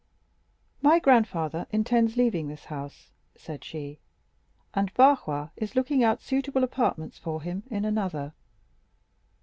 "My grandfather intends leaving this house," said she, "and Barrois is looking out for suitable apartments for him in another."